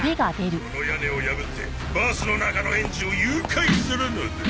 この屋根を破ってバスの中の園児を誘拐するのだ！